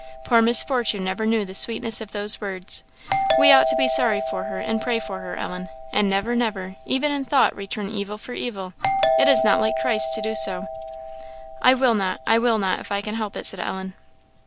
Poor Miss Fortune never knew the sweetness of those words. We ought to be sorry for her, and pray for her, Ellen; and never, never, even in thought, return evil for evil. It is not like Christ to do so." "I will not, I will not, if I can help it," said Ellen.